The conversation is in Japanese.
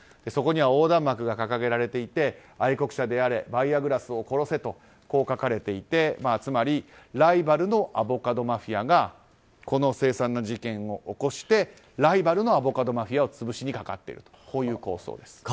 そこには横断幕が掲げられていて愛国者であれバイアグラスを殺せとこう書かれていてつまり、ライバルのアボカドマフィアがこの凄惨な事件を起こしてライバルのアボカドマフィアを潰しにかかっているという抗争です。